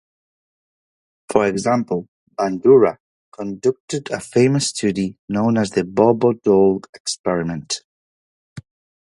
For example, Bandura conducted a famous study known as the Bobo doll experiment.